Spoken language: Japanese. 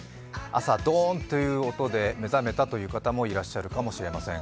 朝、ドーンという音で目覚めたという方もいらっしゃるかもしれません。